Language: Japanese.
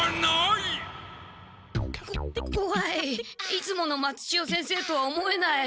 いつもの松千代先生とは思えない。